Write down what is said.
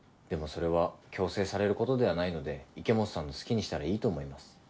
でもそれは強制されることではないので池本さんの好きにしたらいいと思います。